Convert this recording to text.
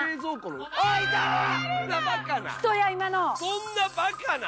そんなバカな！